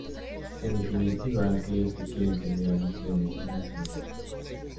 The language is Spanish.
En definitiva aquellos que quieren tener un estilo de vida saludable.